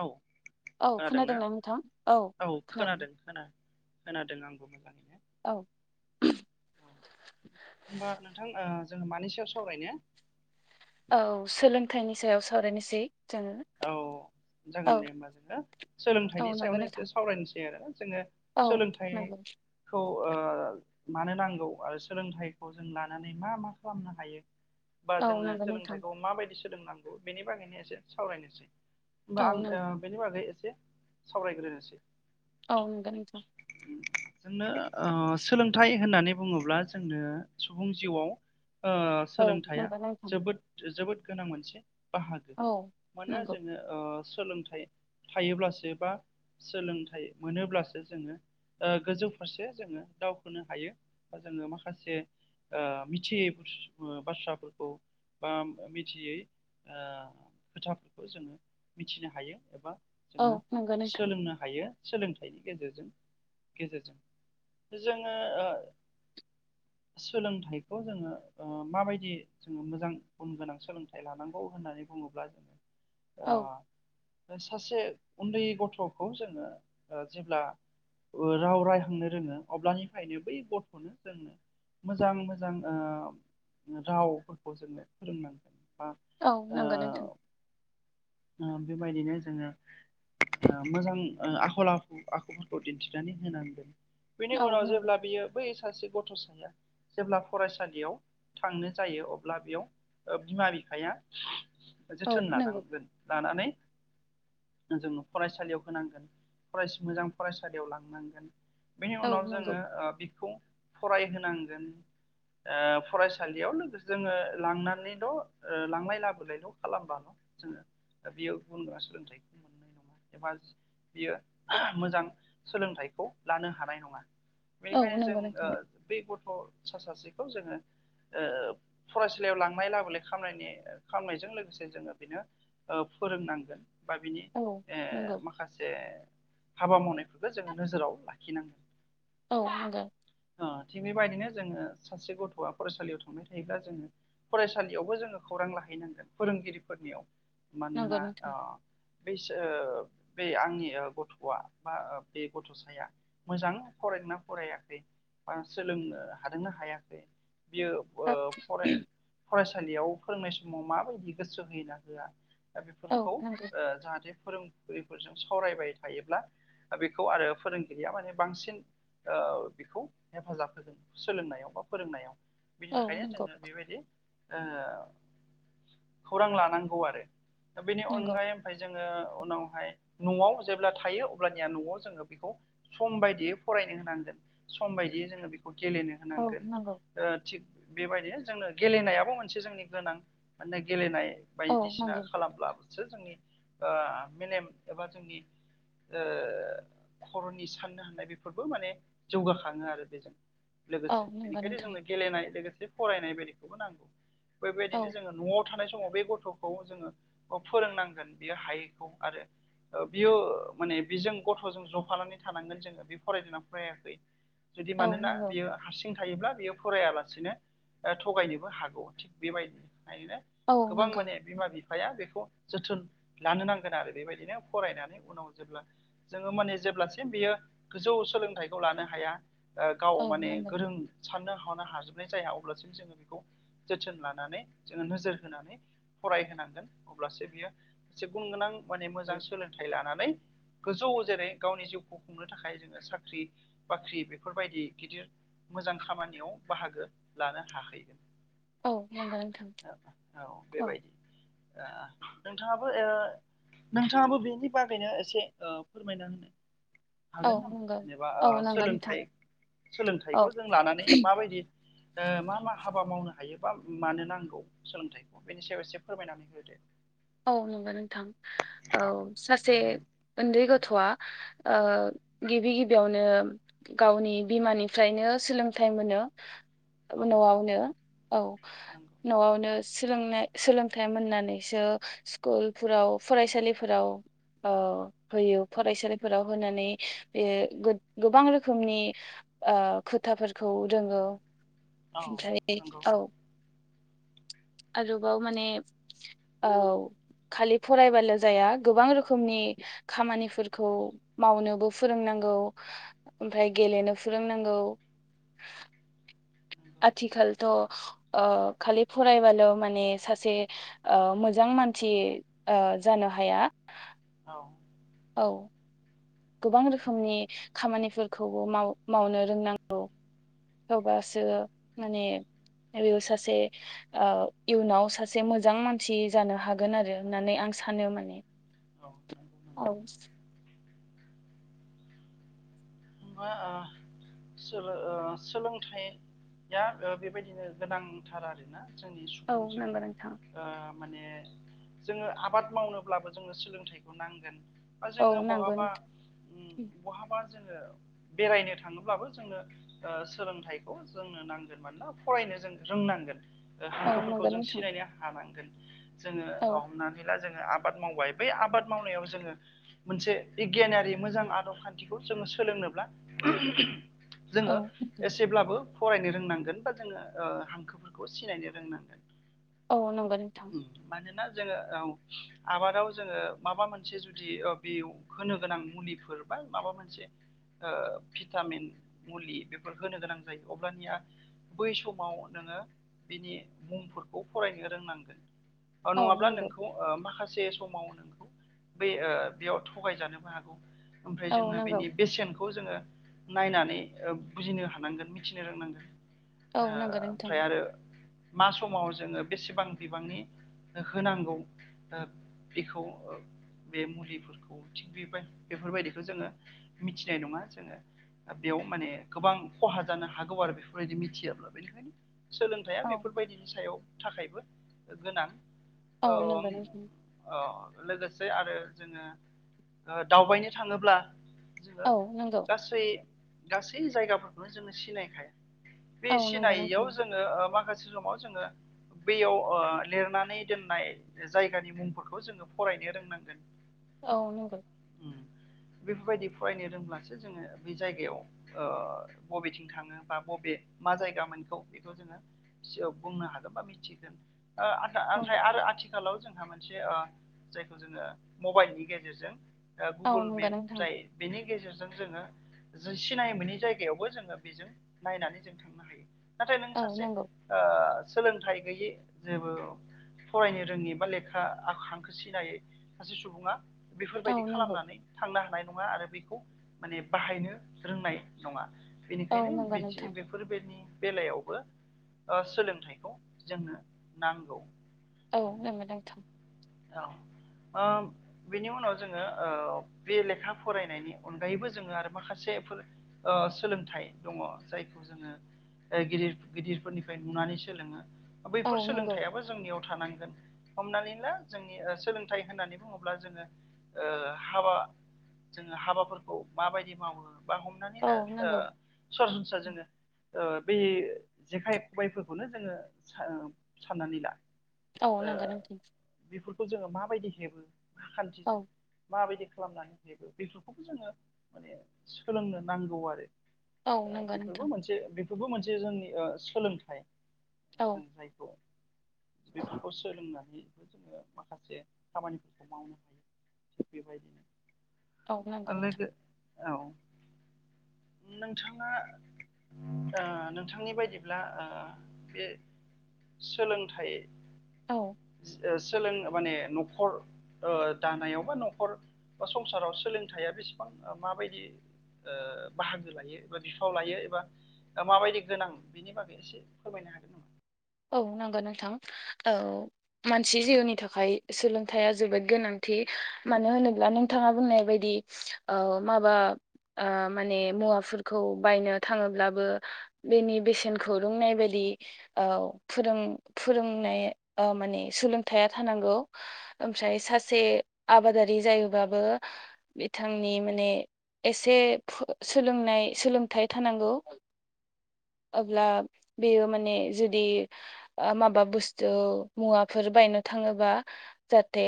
औ खोनादोंना औ खोनादों खोना खोनादों आंबो मोजाङैहाय औ औ होनबा नोंथां ओ जोङो मानि सायाव सावरायनो? औ सोलोंथाइनि सायाव सावरायनोसै। जोङो औ जागोन औ दे होमबा जोङो औ सोलोंथाइनि नंगौ सायावनो नोंथां एसे सावरायनोसै आरो जोङो औ नंगौ सोलोंथाइखौ ओ मानो नांगौ आरो सोलोंथाइखौ जों लानानै मा मा खालामनो हायो। बा औ जोङो नंगौ नोंथां सोलोंथाइखौ माबायदि सोलोंनांगौ बेनि बागैनो एसे सावरायनोसै। औ होमबा नंगौ आं बेनि बागै एसे सावरायग्रोनोसै औ नोंगौ नोंथां। सोलोंथाइ होननानै बुङोब्ला जोंनो सुबुं जिउआव ओ औ सोलोंथाइया नंगौ नोंथां जोबोद जोबोद गोनां मोनसे बाहागो औ माने नंगौ जोङो सोलोंथाइ थायोब्लासो बा सोलोंथाइ मोनोब्लासो जोङो गोजौ फारसे जोङो दावहोनो हायो बा जोङो माखासे आ मिथियि बाथ्राफोरखौ आ मिथियै खोथाफोरखौ जोङो मिथिनो हायो एबा औ जोङो नंगौ नोंथां सोलोंनो हायो सोलोंथाइनि गेजेरजों गेजेरजों जोङो [unintelligible] सोलोंथाइखौ जोङो माबायदि जोङो मोजां गुन गोनां सोलोंथाइ लानांगौ होननानै बुङोब्ला आ औ सासे उन्दै गथ'खौ जोङो जेब्ला राव रायहांनो रोङो अब्लानिफ्रायनो बै गथ'नो जोङो मोजां मोजां रावफोरखौ जोङो फोरोंनांगोन बा औ ओ नंगौ नोंथां बेबायदिनो जोङो मोजां आखल आखु आखुफोरखौ दिन्थिनानै होनांगोन बिनि औ उनाव नंगौ जेब्ला बियो बै सासे गथ'साया जेब्ला फरायसालियाव थांनो जायो अब्ला बेयाव बिमा बिफाया औ जोथोन नंगौ लानांगोन लानानै जोङो फरायसालियाव होनांगोन फराय मोजां फरायसालियाव लांनांगोन बेनि औ उनाव नंगौ जोङो बेखौ फरायहोनांगोन ओ फरायसालियाव लोगोजों लांनानैल' लांलाय लाबोलायल' खालामबाल' जोङो बेयाव गुन गोनां सोलोंथाइखौ मोननाय नङा एबा बियो मोजां सोलोंथाइखौ लानो हानाय नङा औ बेनिखायनो जों नंगौ नोंथां बे गथ'सा सासे जोङो फरायसालियाव लांनाय लाबोलाय खालामनायजों जोङो बेनो फोरोंनांगोन बा बिनि औ नंगौ ओ माखासे हाबा मावनायफोरखौ जोङो नोजोराव लाखिनांगोन औ हागोन ओ थिग बेबायदिनो जोङो सासे गथ'आ फरायसालियाव थांबाय थायोबा जोङो फरायसालियावबो जोङो खौरां लाहैनांगोन फोरोंगिरिफोरनियाव नंगौ मानोना नोंथां ओ बे आंनि गथ'आ बा बे गथ'साया मोजां फरायना फरायाखै बा सोलोंनो हादोंना हायाखै बियो फराय फरायसालियाव फोरोंनाय समाव माबायदि गोसो होयोना होआ दा औ बेफोरखौ ओ नंगौ जाहाथे फोरोंगिरिफोरजों सावरायबाय थायोब्ला बेखौ आरो फोरोंगिरिया माने बांसिन बेखौ हेफाजाब होगोन सोलोंनायाव बा फोरोंनायाव बिनि औ थाखायनो नंगौ जोङो बेबायदि ओ खौरां लानांगौ आरो दा बेनि नंगौ अनगायै जोङो उनावहाय न'आव जेब्ला थायो अब्लानिया न'आव जोङो बेखौ सम बायदियै फराय होनांगोन सम बायदियै जोङो गेलेनो औ होनांगोन नंगौ थिग बेबायदिनो जोंनो गेलेनायाबो मोनसे जोंनि गोनां माने गेलेनाय औ बायदिसिना नंगौ खालामब्ला जोंनि मेलेम एबा जोंनि ओ खर'नि साननो हानाय बेफोरबो माने जौगाखांङो आरो बेजों औ लोगोसे नंगौ बेनिखायनो नोंथां जोंनो गेलेनाय लोगोसे फरायनाय बायदिखौबो नांगौ औ बेबायदिनो जोङो न'आव थानाय समाव बे गथ'खौ जोङो अ फोरोंनांगोन बियो हायैखौ आरो ओ बियो माने बेजों गथ'जों जफानानै थानांगोन जोङो बे फरायदोंना फरायाखै। जुदि औ मानोना नंगौ बियो हारसिं थायोब्ला बेयो फरायालासेनो ओ थगायनोबो हागौ थिग बेबायदि थायोना औ गोबां नांगौ माने बिमा बिफाया बे खौ जोथोन लानो नांगोन आरो बेबायदिनो फरायनानै उनाव जेब्ला जोङो माने जेब्लासिम बियो गोजौ सोलोंथाइखौ लानो हाया ओ गाव औ माने नांगौ गोरों साननो हनो हाजोबनाय जाया अब्लासिम जोङो बेखौ जोथोन लानानै जोङो नोजोर होनानै फरायहोनांगोन अब्लासो बियो एसे गुन गोनां माने मोजां सोलोंथाइ लानानै गोजौ जेरै गावनि जिउखौ खुंनो थाखाय जोङो साख्रि बाख्रि बेफोरबायदि गिदिर मोजां खामानियाव बाहागो लानो हाहैगोन। औ नंगौ नोंथां औ। ओ नोंथाङाबो ओ नोंथाङाबो बेनि बागैनो एसे ओ फोरमायना होदो। औ हागोन नामा नंगौ जेनेबा ओ औ नंगौ नोंथां सोलोंथाइ औ सोलोंथाइखौ जों लानानै माबायदि ओ मा मा हाबा मावनो हायो बा मानो नांगौ सोलोंथाइखौ बेनि सायाव एसे फोरमायनानै होदो दे। औ नंगौ नोंथां औ सासे उन्दै गथ'आ ओ गिबि गिबियावनो गावनि बिमानिफ्रायनो सोलोंथाइ मोनो। औ न'आवनो औ नंगौ न'आवनो सोलोंनाय सोलोंथाइ मोननानैसो स्कुलफोराव फरायसालिफोराव औ होयो फरायसालिफोराव होनानै बे गो गोबां रोखोमनि ओ खोथाफोरखौ रोंङो औ ओमफ्राय नंगौ औ आरोबाव माने औ खालि फरायबाल' जाया गोबां रोखोमनि खामानिफोरखौ मावनोबो फोरोंनां गौ ओमफ्राय गेलेनो फोरोंनांगौ नंगौ आथिखालथ' ओ खालि फरायबाल' माने सासे ओ मोजां मानसि ओ जानो हाया। औ औ। गोबां रोखोमनि खामानिफोरखौबो माव मावनो रोंनांगौ। अबासो माने बेयाव सासे ओ इयुनाव सासे मोजां मानसि जानो हागोन आरो होननानै आं सानो माने नंगौ औ। नंगौ होमबा ओ सोलो ओ सोलोंथाइया बेबायदिनो गोनांथार आरोना‌? जोंनि औ सुबुं जिउ नंगौ नोंथां ओ माने जोङो आबाद मावनोब्लाबो जोङो सोलोंथाइखौ नांगोन। ओ औ जोंङो नांगौ बहाबा उम बहाबा जोंङो बेरायनो थांङोब्लाबो जोंनो ओ सोलोंथाइखौ जोंनो नांगोन मानोना फरायनो जों रों नांगोन ओ औ नंगौ हांखोफोरखौ जों नोंथां सिनायनो हानांगोन। जोंङो औ हमनानै ला जों आबाद मावबाय बै आबाद मावनायाव जोंङो मोनसे बिगियानारि मोजां आदब खान्थिखौ जोंङो सोलोंनो ब्ला औ जोङो एसेब्लाबो फरायनो रोंनांगोन बा जोंङो ओ हांखोफोरखौ सिनायनो रोंनांगोन। औ नंगौ नोंथां। जोंङो औ आबादाव जोंङो माबा मोनसे जुदि बे होनो गोनां मुलिफोर बा माबा मोनसे ओ भिटामिन मुलि बेफोर होनो गोनां जायो अब्लानिया बै समाव नोंङो बिनि मुंफोरखौ फरायनो रोंनांगोन। औ नङाब्ला नंगौ नोंखौ माखा से समाव नोंखौ बे बेयाव थगायजानोबो हागौ ओमफ्राय औ जोङो नंगौ बेनि बेसेन खौ जोङो नायनानै बुजिनो हानांगोन मिथिनो रोंनांगोन औ नंगौ नोंथां ओमफ्राय आरो मा समाव जोङो बेसेबां बिबांनि होनांगौ बेखौ बे मुलिफोरखौ थिग बे बेफोरबायदिखौ जोङो मिथि - नङा जोङो बेयाव माने गोबां खहा जानो हागौ आरो बेफोरबायदि मिथियाबा सोलोंथाइया औ बेफोरबायदिनि सायाव थाखायबो गोनां औ नंगौ नोंथां औ लोगोसे आरो जोङो दावबायनो थाङोब्ला जोङो औ नंगौ गासै गासै जायगाफोरखौनो जोङो सिनायखाया बे औ नंगौ नोंथां सिनायैयाव जोङो माखासे समाव जोङो बैयाव लिरनानै दोननाय जायगानि मुंफोरखौ जोङो फराय- नो रोंनांगोन औ नंगौ बेफोरबायदि फरायनो मानसिया जों बे जायगायाव बबेथिं थाङो बा बबे मा जायगा मोनखौ जोङो सिगाङाव बुंनो हादोंब्ला मिथिहोदों आरो आथिखाल- आथिखालाव जोंहा मोनसे जायखौ जोङो मबाइलनि गेजेरजों औ नंगौ औ गुगोल नंगौ मेप नोंथां जाय बेनि गेजेरजों जों जोङो सिनाय मोननि जायगायावबो जोङो बेजों नायनानै जों थांनो हायो। नाथाय नों औ सासे नंगौ सोलोंथाइ गैयै जेबो फरायनो रोङि बा लेखा हांखो सिनायै सासे सुबुङा औ बेफोरबायदि नंगौ खालामनानै थांनो हानाय नङा आरो बेखौ माने बाहायनो रोंनाय नङा औ बेनिखायनो नंगौ बिदि नोंथां बेफोरबायदि बेलायावबो सोलोंथाइखौ जोंनो नांगौ। औ नोंगौ नोंथां औ बेनि उनाव जोङो बे लेखा फरायनायनि अनगायैबो जोङो आरो माखासेफोर सोलोंथाइ दङ जायखौ जोङो गिदिर गिदिरफोरनिफ्राय नुनानै सोलोङो औ बैफोर नंगौ सोलोंथाइयाबो जोंनियाव थानांगोन हमनानै ला जोंनि सोलोंथाइ होननानै बुङोब्ला जोङो हाबा जोङो हाबाफोरखौ खौ माबायदि मावो बा हमनानै औ ला नंगौ सरासनस्रा जोङो बे जेखाइ खबायफोरखौनो जोङो साननानै ला औ नंगौ नोंथां खौ जोङो माबायदि हेबो औ खान्थिजों माबायदि खालामनानै हेबो बेफोरखौबो जोङो माने सोलोंनो नांगौ आरो औ नंगौ बेफोरबो नोंथां मोनसे बेबो मोनसे जोंनि सोलोंथाइ औ जों जायखौ बेफोरखौ सोलोंनानै जोङो माखासे खामानिफोरखौ मावनो हायो थिग बेबायदिनो औ नंगौ नोंथां लोगो औ नोंथाङा नोंथांनि बायदिब्ला बे सोलोंथाय औ सोलों माने न'खर दानायाव बा न'खर बा संसाराव सोलोंथाइया बेसेबां [unintelligible] माबायदि ओ बाहागो लायो एबा बिफाव लायो एबा माबायदि गोनां बेनि बागै एसे फोरमायनाया [inaudible] औ नांगौ नोंथां औ मानसि जिउनि थाखाय सोलोंथाइया जोबोद गोनांथि मानो होनोब्ला नोंथाङा बुंनाय बायदियाव ओ माबा माने मुवाफोरखौ बायनो थाङोब्लाबो बेनि बेसेनखौ रोंनाय बायदि दि औ फोरों फोरोंनाय माने सोलोंथया थानांगौ ओमफ्राय सासे आबादारि जायोबाबो बिथांनि माने एसे सोलोंनाय सोलोंथाय थानांगौ अब्ला बेयो माने जुदि माबा बुस्थु मुवाफोर बायनो थाङोबा जाहाथे